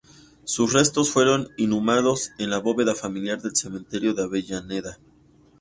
Sus restos fueron inhumados en la bóveda familiar del cementerio de Avellaneda.